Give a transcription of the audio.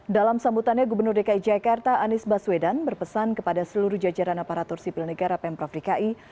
dalam sambutannya gubernur dki jakarta anies baswedan berpesan kepada seluruh jajaran aparatur sipil negara pemprov dki